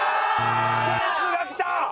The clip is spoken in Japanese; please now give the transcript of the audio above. チャンスが来た！